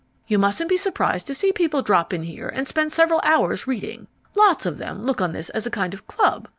You mustn't be surprised to see people drop in here and spend several hours reading. Lots of them look on this as a kind of club.